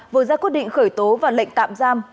vừa ra quyết định khởi tố và lệnh tạm giam